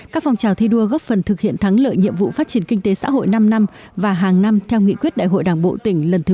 các phong trào thi đua góp phần thực hiện thắng lợi nhiệm vụ phát triển kinh tế xã hội năm năm và hàng năm theo nghị quyết đại hội đảng bộ tỉnh lần thứ một mươi ba